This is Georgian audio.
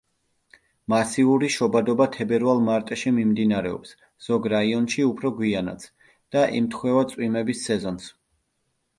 მასიური შობადობა თებერვალ-მარტში მიმდინარეობს, ზოგ რაიონში უფრო გვიანაც, და ემთხვევა წვიმების სეზონს.